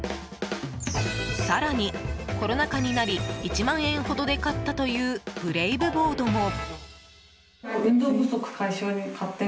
更に、コロナ禍になり１万円ほどで買ったというブレイブボードも。